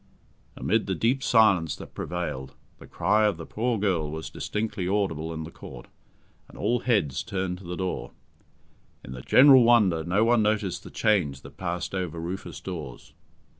Amid the deep silence that prevailed, the cry of the poor girl was distinctly audible in the Court, and all heads turned to the door. In the general wonder no one noticed the change that passed over Rufus Dawes.